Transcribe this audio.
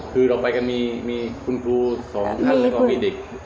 คือเราไปกันมีคุณครูสองท่านแล้วก็มีเด็ก